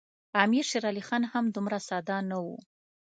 امیر شېر علي خان هم دومره ساده نه وو.